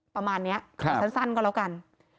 ประมาณนี้ขอสั้นก็แล้วกัน